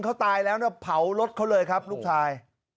เขาตายแล้วนะเผารถเขาเลยครับลูกชาย